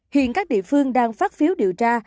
hiện các địa phương đang phát phiếu điều tra